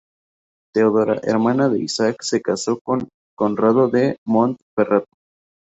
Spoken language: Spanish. Teodora, hermana de Isaac, se casó con Conrado de Montferrato.